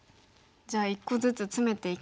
じゃあ１個ずつつめていきますか。